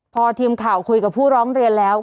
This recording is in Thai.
พอทีมข่าวคุยกับผู้ร้องเรียนแล้ว